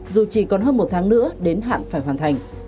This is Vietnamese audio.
dù chỉ còn hơn một tháng nữa đến hạn phải hoàn thành